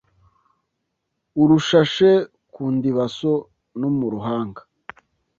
urushashe ku ndibaso no mu ruhanga